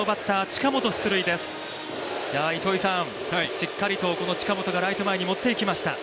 しっかりと近本がライト前に持って行きました。